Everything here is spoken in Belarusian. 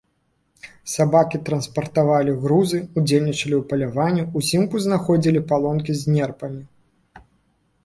Сабакі транспартавалі грузы, удзельнічалі ў паляванні, узімку знаходзілі палонкі з нерпамі.